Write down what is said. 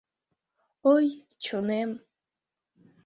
Ой, чонем».